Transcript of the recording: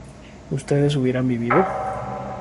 ¿ustedes hubieran vivido?